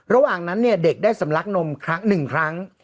ระหว่างนั้นเนี่ยเด็กได้สำลักนมครั้งหนึ่งครั้ง